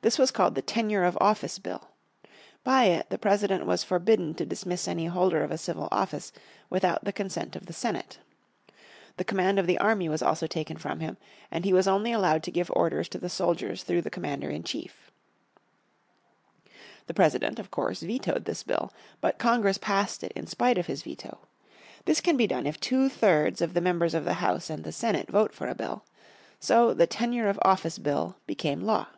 This was called the Tenure of Office Bill. By it, the President was forbidden to dismiss any holder of a civil office without the consent of the Senate. The command of the army was also taken from him, and he was only allowed to give orders to the soldiers through the commander in chief. The President of course vetoed this bill. But Congress passed it in spite of his veto. This can be done if two thirds of the Members of the House and the Senate vote for a bill. So the Tenure of Office Bill became law.